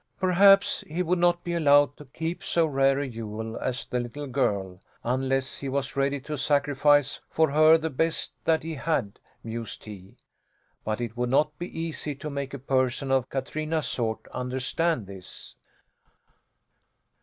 Perhaps he would not be allowed to keep so rare a jewel as the little girl, unless he was ready to sacrifice for her the best that he had, mused he. But it would not be easy to make a person of Katrina's sort understand this.